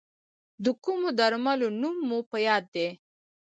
د کومو درملو نوم مو په یاد دی؟